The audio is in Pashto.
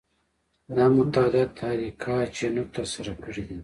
دا مطالعات اریکا چینوت ترسره کړي دي.